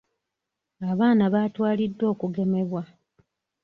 Abaana baatwaliddwa okugemebwa.